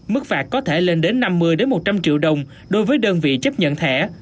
mức phạt có thể lên đến năm mươi một trăm linh triệu đồng đối với đơn vị chấp nhận thẻ